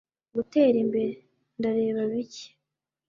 Gutera imbere, ndareba bike